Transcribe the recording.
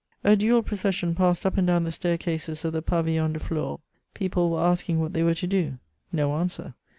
A dual procession passed up and down the stair cases of the Pavillon de Flore; people were asking what they were to do: no answer.